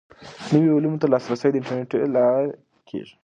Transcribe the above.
نویو علومو ته لاسرسی د انټرنیټ له لارې کیږي.